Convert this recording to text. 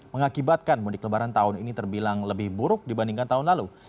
mengakibatkan mudik lebaran tahun ini terbilang lebih buruk dibandingkan tahun lalu